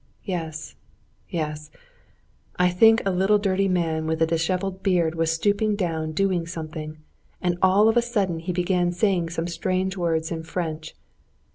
Yes, yes; I think a little dirty man with a disheveled beard was stooping down doing something, and all of a sudden he began saying some strange words in French.